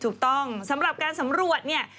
ถูกต้องสำหรับการสำรวจเนี่ย